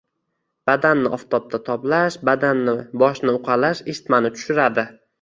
Badanni oftobda toblash, badanni, boshni uqalash isitmani tushiradi.